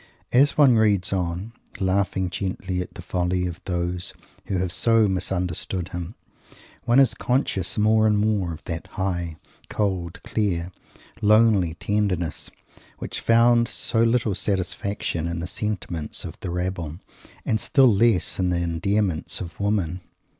As one reads on, laughing gently at the folly of those who have so misunderstood him, one is conscious more and more of that high, cold, clear, lonely tenderness, which found so little satisfaction in the sentiment of the rabble and still less in the endearments of women!